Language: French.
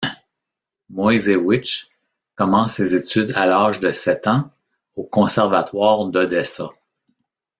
Moiseiwitsch commence ses études à l'âge de sept ans au conservatoire d'Odessa.